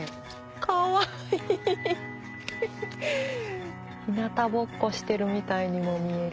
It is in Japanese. かわいい！日なたぼっこしてるみたいにも見える。